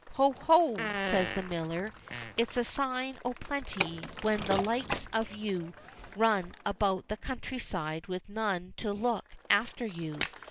"Ho, ho!" says the miller. "It's a sign o' plenty when the likes of you run about the country side with none to look after you.